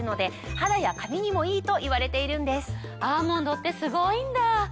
アーモンドってすごいんだぁ！